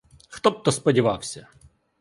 Хто б то сподівався!